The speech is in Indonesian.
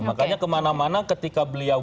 makanya kemana mana ketika beliau